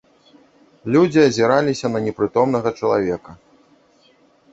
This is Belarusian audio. Людзі азіраліся на непрытомнага чалавека.